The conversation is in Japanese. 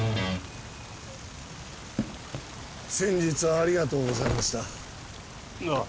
先日はありがとうございましたあ